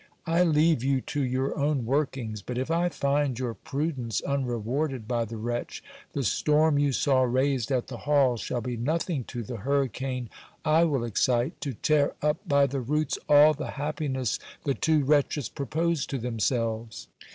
I leave you to your own workings; but if I find your prudence unrewarded by the wretch, the storm you saw raised at the Hall, shall be nothing to the hurricane I will excite, to tear up by the roots all the happiness the two wretches propose to themselves.